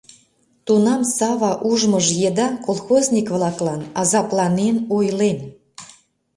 Тунам Сава ужмыж еда колхозник-влаклан азапланен ойлен: